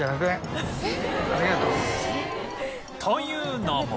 というのも